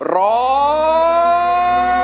ร้อง